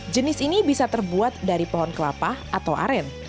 jenis ini bisa terbuat dari pohon kelapa atau aren